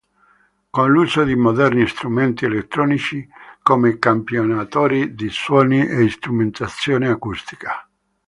Con l'uso di moderni strumenti elettronici come campionatori di suoni e strumentazione acustica.